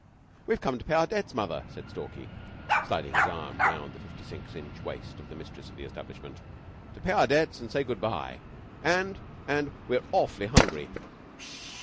"We've come to pay our debts, mother," said Stalky, sliding his arm round the fifty six inch waist of the mistress of the establishment. "To pay our debts and say good by and and we're awf'ly hungry."